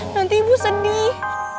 nanti ibu sedih